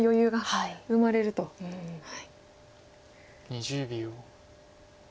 ２０秒。